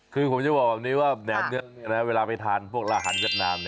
คือผมจะบอกแบบนี้ว่าแหนมนี้เวลาไปทานพวกอาหารเวียดนาม